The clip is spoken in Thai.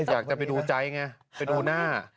อยากจะไปดูใจไงไปดูหน้า